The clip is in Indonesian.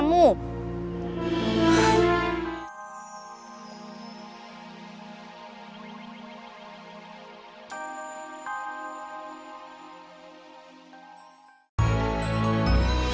kamu tuh ngeyel ya kalau dibilangin mama